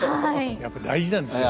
やっぱり大事なんですよね。